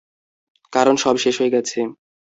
কারণ সব শেষ হয়ে গেছে।